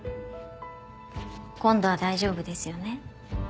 今度は大丈夫ですよね？